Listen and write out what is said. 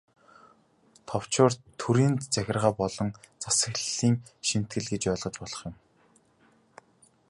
Товчоор, төрийн захиргаа болон засаглалын шинэтгэл гэж ойлгож болох юм.